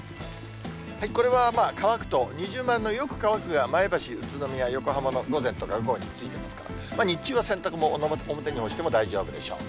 これはまあ、乾くと二重丸のよく乾くが、前橋、宇都宮、横浜の午前とか午後についてますから、日中は洗濯物、表に干しても大丈夫でしょう。